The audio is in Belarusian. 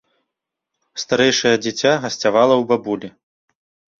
Старэйшае дзіця гасцявала ў бабулі.